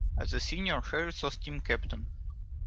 As a senior, Harris was team captain.